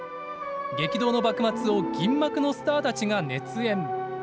激動の幕末を銀幕のスターたちが熱演。